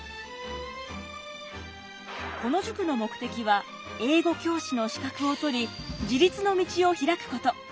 この塾の目的は英語教師の資格を取り自立の道を開くこと。